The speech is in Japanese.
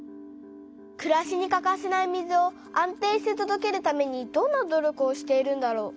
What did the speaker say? くらしにかかせない水を安定してとどけるためにどんな努力をしているんだろう。